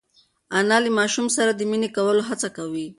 انا له ماشوم سره د مینې کولو هڅه کوي.